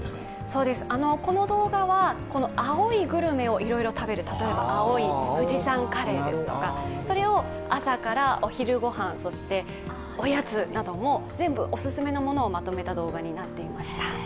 そうです、この動画は青いグルメをいろいろ食べる、例えば青い富士山カレーですとかそれを朝からお昼ご飯、そしておやつなども全部おすすめのものをまとめた動画になっていました。